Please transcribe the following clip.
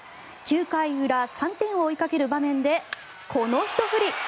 ９回裏、３点を追いかける場面でこのひと振り。